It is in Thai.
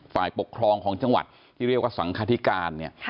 ฝ่ายปกครองของจังหวัดที่เรียกว่าสังคธิการเนี่ย